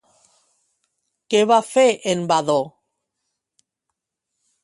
Què va fer en Vadó?